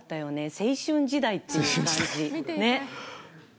青春時代っていう感じ、ね。